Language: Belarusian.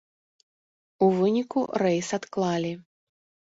У выніку, рэйс адклалі.